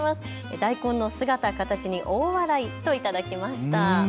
大根の姿、形に大笑いと頂きました。